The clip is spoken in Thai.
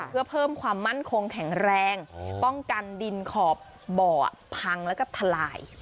เพื่อเพิ่มความมั่นคงแข็งแรงป้องกันดินขอบบ่อพังแล้วก็ทลาย